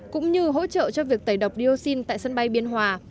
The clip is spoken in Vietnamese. cũng như hỗ trợ cho việc tẩy độc dioxin tại sân bay biên hòa